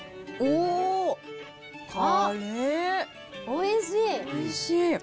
おいしい。